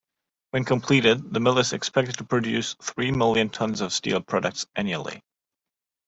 When completed, the mill is expected to produce three-million tons of steel products annually.